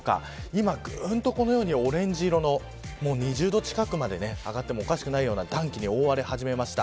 今ぐんとこのようにオレンジ色の２０度近くまで上がってもおかしくないような暖気に覆われ始めました。